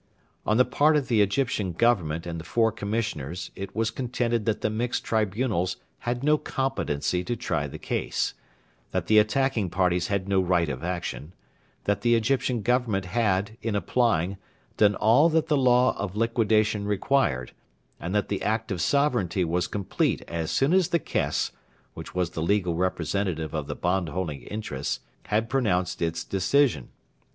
On the part of the Egyptian Government and the four Commissioners it was contended that the Mixed Tribunals had no competency to try the case; that the attacking parties had no right of action; that the Egyptian Government had, in applying, done all that the law of liquidation required; and that the act of sovereignty was complete as soon as the Caisse, which was the legal representative of the bondholding interest, had pronounced its decision.